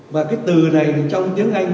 và cái từ này trong tiếng anh